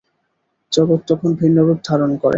জগৎ তখন ভিন্নরূপ ধারণ করে।